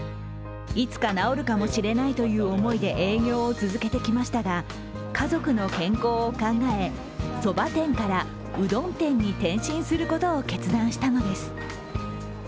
いつか治るかもしれないという思いで営業を続けてきましたが家族の健康を考え、そば店からうどん店に転身することを決断したのです。